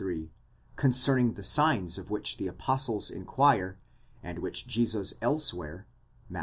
3), concerning the signs of which the apostles inquire, and which Jesus elsewhere (Matt.